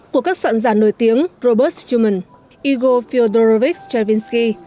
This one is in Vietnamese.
của các soạn giả nổi tiếng robert sturman igor fyodorovich stravinsky